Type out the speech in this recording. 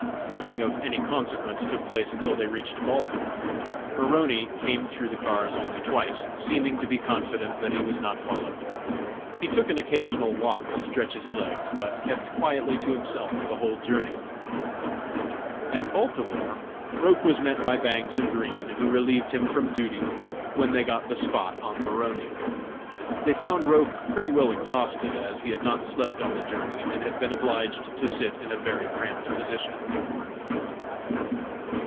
Nothing of any consequence took place until they reached Baltimore. Maroney came through the cars only twice, seeming to be confident that he was not followed. He took an occasional walk to stretch his legs, but kept quietly to himself the whole of the journey. At Baltimore Roch was met by Bangs and Green, who relieved him from duty when they got the "spot" on Maroney. They found Roch pretty well exhausted, as he had not slept on the journey, and had been obliged to sit in a very cramped position.